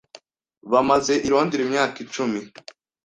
Bamaze i Londres imyaka icumi.